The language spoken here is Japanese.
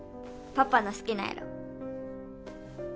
パパの好きな色